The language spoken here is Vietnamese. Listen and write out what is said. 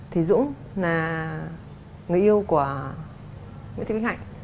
thì dũng là người yêu của nguyễn thị bích hạnh